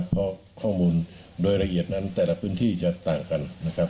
เพราะข้อมูลโดยละเอียดนั้นแต่ละพื้นที่จะต่างกันนะครับ